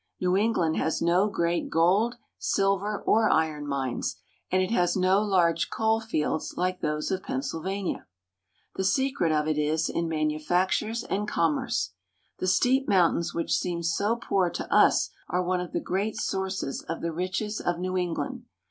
New England has no great gold, silver, or iron mines, and it has no large coal fields like those of Pennsylvania. The secret of it is in manufactures and commerce. The steep mountains which seem so poor to us are one of the great sources of the riches of New England.